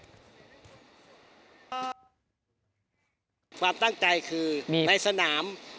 ความตั้งใจคือในสนาม